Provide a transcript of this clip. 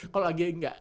kalau lagi enggak